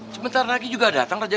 sebentar lagi juga datang raja